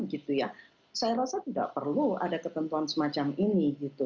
saya rasa tidak perlu ada ketentuan semacam ini